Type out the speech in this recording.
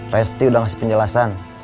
resti udah ngasih penjelasan